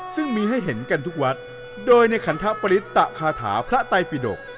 ซึ่งมีให้เห็นกันทุกวัดโดยในขันทปริตตะคาถาพระไตปิดก